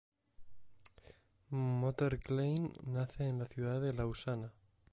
Motter-Klein, nace en la ciudad de Lausana.